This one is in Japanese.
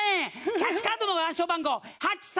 キャッシュカードの暗証番号８９３１。